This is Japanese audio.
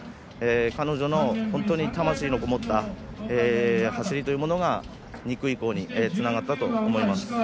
彼女の本当に魂のこもった走りというものが２区以降につながったと思います。